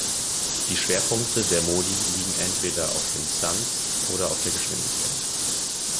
Die Schwerpunkte der Modi liegen entweder auf den Stunts oder auf der Geschwindigkeit.